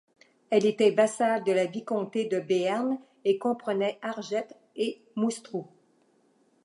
Elle était vassale de la vicomté de Béarn et comprenait Arget et Moustrou.